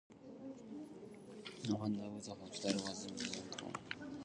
The founder of the hospital was William Bromfeild.